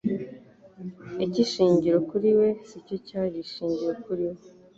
Icy'ishingiro kuri we, si cyo cyari ishingiro kuri bo.